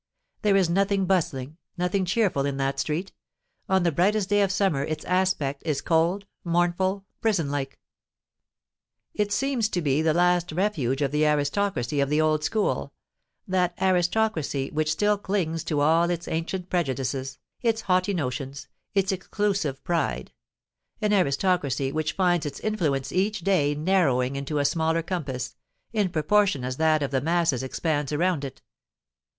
There is nothing bustling—nothing cheerful in that street: on the brightest day of summer its aspect is cold—mournful—prison like. It seems to be the last refuge of the aristocracy of the old school,—that aristocracy which still clings to all its ancient prejudices, its haughty notions, its exclusive pride,—an aristocracy which finds its influence each day narrowing into a smaller compass, in proportion as that of the masses expands around it.